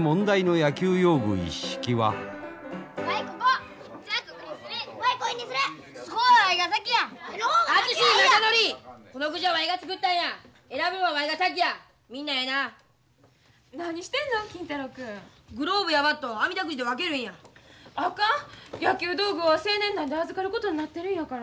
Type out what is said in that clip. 野球道具は青年団で預かることになってるんやから。